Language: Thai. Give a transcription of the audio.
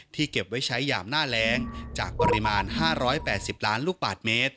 ที่เก็บไว้ใช้หย่ามหน้าแรงจากปริมาณห้าร้อยแปดสิบล้านลูกบาทเมตร